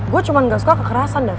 gue cuma gak suka kekerasan dak